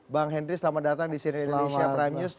bang henry selamat datang di sini indonesia prime news